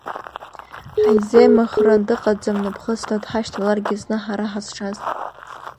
Ҳаизеимыхран дыҟаӡам наԥхыцла, дҳашьҭаларгьы зны ҳара ҳазшаз.